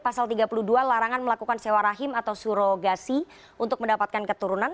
pasal tiga puluh dua larangan melakukan sewa rahim atau surogasi untuk mendapatkan keturunan